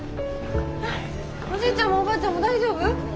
おじいちゃんもおばあちゃんも大丈夫？